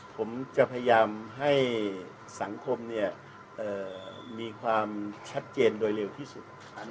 ผมจะพยายามให้สังคมมีความชัดเจนโดยเร็วที่สุด